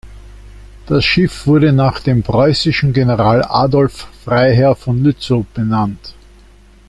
Das Schiff wurde nach dem preußischen General Adolf Freiherr von Lützow benannt.